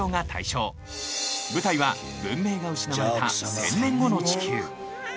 舞台は文明が失われた１，０００年後の地球。